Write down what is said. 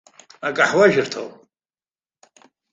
Акаҳуажәырҭоуп.